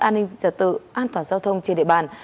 an ninh trật tự an toàn giao thông trên địa bàn